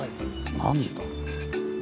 何だ？